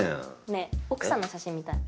ねえ奥さんの写真見たい。